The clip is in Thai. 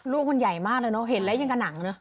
รูปมันใหญ่มากเลยเนอะเห็นแล้วอย่างกับหนังเนอะ